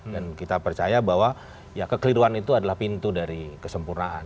dan kita percaya bahwa ya kekeliruan itu adalah pintu dari kesempurnaan